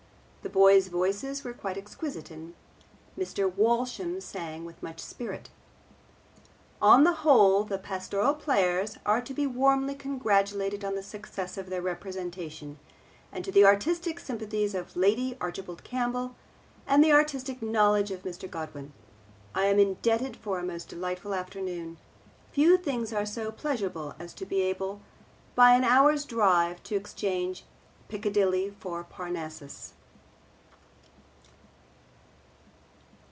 The boys' voices were quite exquisite, and Mr. Walsham sang with much spirit. On the whole the Pastoral Players are to be warmly congratulated on the success of their representation, and to the artistic sympathies of Lady Archibald Campbell, and the artistic knowledge of Mr. Godwin, I am indebted for a most delightful afternoon. Few things are so pleasurable as to be able by an hour's drive to exchange Piccadilly for Parnassus.